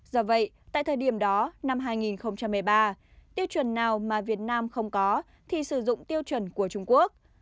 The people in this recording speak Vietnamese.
do vậy tại thời điểm đó năm hai nghìn một mươi ba tiêu chuẩn nào mà việt nam không có thì sử dụng tiêu chuẩn của trung quốc